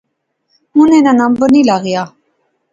انیں ناں نمبر نی لغا